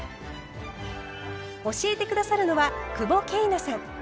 教えて下さるのは久保桂奈さん。